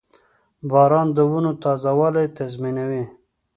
• باران د ونو تازهوالی تضمینوي.